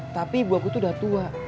tapi ibu aku tuh udah tua